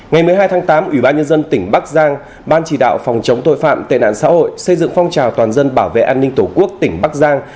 ngày một mươi hai tháng tám ủy ban nhân dân tỉnh bắc giang ban chỉ đạo phòng chống tội phạm tệ nạn xã hội xây dựng phong trào toàn dân bảo vệ an ninh tổ quốc tỉnh bắc giang